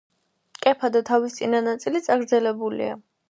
კეფა და თავის წინა ნაწილი წაგრძელებულია.